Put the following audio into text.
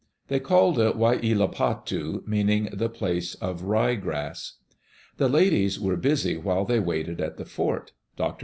They called it Waiilatpu, meaning the place of rye grass. The ladies were busy while they waited at the fort. Dr.